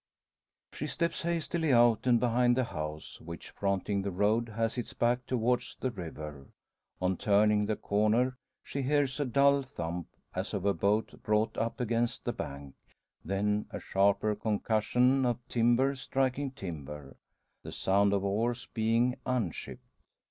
She steps hastily out, and behind the house, which fronting the road, has its back towards the river. On turning the corner she hears a dull thump, as of a boat brought up against the bank; then a sharper concussion of timber striking timber the sound of oars being unshipped.